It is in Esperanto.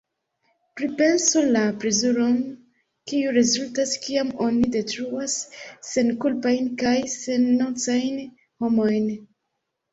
Pripensu la plezuron kiu rezultas kiam oni detruas senkulpajn kaj sennocajn homojn.